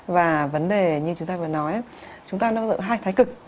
và vấn đề như chúng ta vừa nói chúng ta nâng dựng hai thái cực